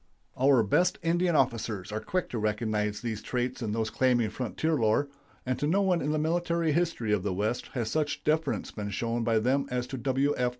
Our best Indian officers are quick to recognize these traits in those claiming frontier lore, and to no one in the military history of the West has such deference been shown by them as to W. F.